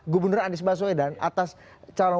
gubernur anies baswedan atas calon